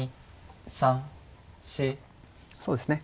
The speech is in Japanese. そうですね。